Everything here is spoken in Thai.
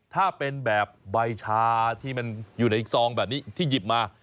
ถ้าเป็นแบบใบชาที่มันอยู่ในซองแบบนี้ที่หยิบมา